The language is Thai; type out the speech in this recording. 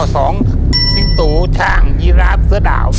สิงตุช่างยิราชสดาว